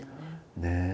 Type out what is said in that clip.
ねえ。